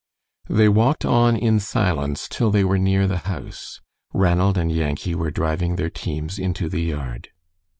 They walked on in silence till they were near the house. Ranald and Yankee were driving their teams into the yard.